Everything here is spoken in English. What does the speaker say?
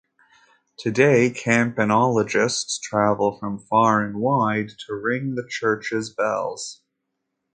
Today, campanologists travel from far and wide to ring the church's bells.